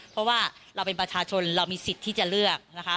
เพราะว่าเราเป็นประชาชนเรามีสิทธิ์ที่จะเลือกนะคะ